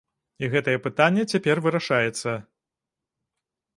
І гэтае пытанне цяпер вырашаецца.